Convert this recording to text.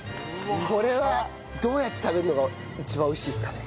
これはどうやって食べるのが一番美味しいですかね？